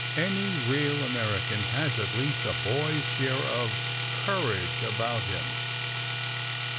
Any real American has at least a boy's share of courage about him!"